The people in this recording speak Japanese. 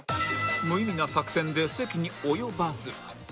無意味な作戦で関に及ばず